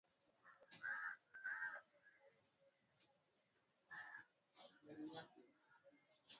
Wa baba wote inapashua ku saidia wa mama